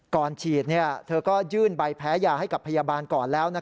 ก่อนฉีดเธอก็ยื่นใบแพ้ยาให้กับพยาบาลก่อนแล้ว